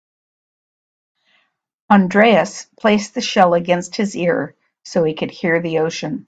Andreas placed the shell against his ear so he could hear the ocean.